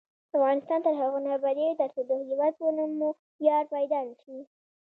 افغانستان تر هغو نه ابادیږي، ترڅو د هیواد په نوم مو ویاړ پیدا نشي.